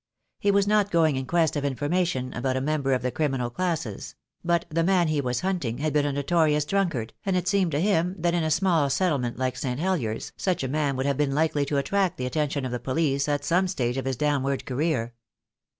He was not going in quest of information about a member of the criminal classes; but the man he was hunting had been a notorious drunkard, and it seemed to him that in a small settlement like St. Heliers such a man would have been likely to attract the attention of the police at some stage of his downward career.